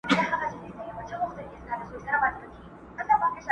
٫چي ښکلي یادومه ستا له نومه حیا راسي٫